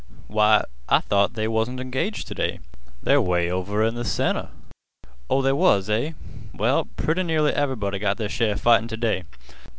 Why, I thought they wasn't engaged t' day they're 'way over in th' center. Oh, they was, eh? Well pretty nearly everybody got their share 'a fightin' t' day.